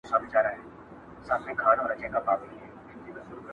مونږه د مینې تاوانونه کړي .